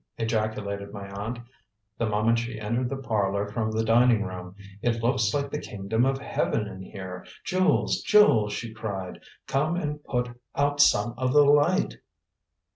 ejaculated my aunt, the moment she entered the parlor from the dining room. "It looks like the kingdom of heaven in here! Jules! Jules!" she called, "come and put out some of the light!"